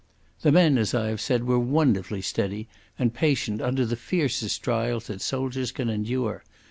The men, as I have said, were wonderfully steady and patient under the fiercest trial that soldiers can endure.